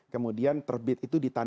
kemudian terbit itu ditempatkan